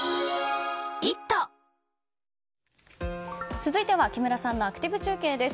続いては木村さんのアクティブ中継です。